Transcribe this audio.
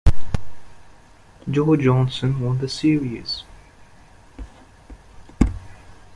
Joe Johnson won the series.